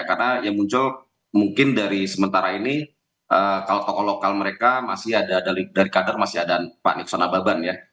karena yang muncul mungkin dari sementara ini kalau tokoh lokal mereka masih ada dari kader masih ada pak nikson ababan ya